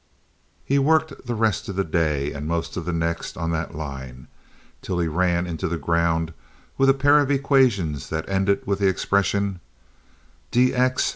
He worked the rest of that day, and most of the next on that line till he ran it into the ground with a pair of equations that ended with the expression: dx.